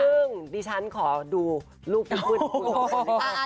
ซึ่งดิฉันขอดูลูกยุคมืดคุณค่ะ